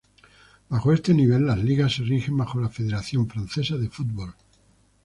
Bajo este nivel las ligas se rigen bajo la Federación Francesa de Fútbol.